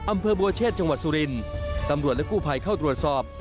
อำเภอบัวเชษจังหวัดสุรินตำรวจและกู้ภัยเข้าตรวจสอบ